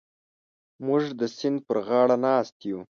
موږ د سیند پر غاړه ناست یو.